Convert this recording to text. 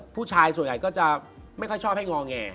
ผู้ชายส่วนใหญ่ก็จะไม่ค่อยชอบให้งอแง